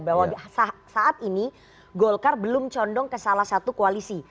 bahwa saat ini golkar belum condong ke salah satu koalisi